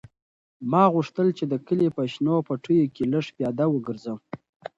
ما غوښتل چې د کلي په شنو پټیو کې لږ پیاده وګرځم.